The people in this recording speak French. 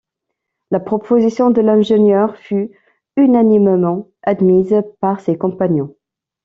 La proposition de l’ingénieur fut unanimement admise par ses compagnons.